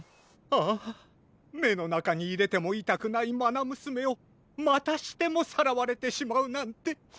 ああめのなかにいれてもいたくないまなむすめをまたしてもさらわれてしまうなんて。